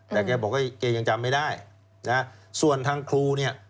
แต่แกบอกว่าแกยังจำไม่ได้นะฮะส่วนทางครูเนี่ย